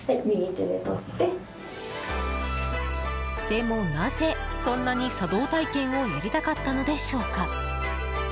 でも、なぜそんなに茶道体験をやりたかったのでしょうか？